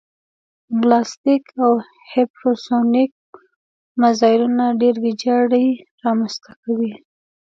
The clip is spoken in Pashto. بلاستیک او هیپرسونیک مزایلونه ډېره ویجاړي رامنځته کوي